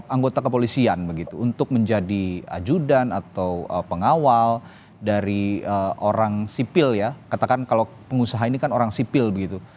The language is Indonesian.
anggota kepolisian begitu untuk menjadi ajudan atau pengawal dari orang sipil ya katakan kalau pengusaha ini kan orang sipil begitu